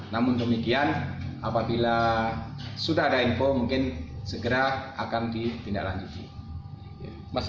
namun demikian apabila sudah ada info mungkin segera akan ditindaklanjuti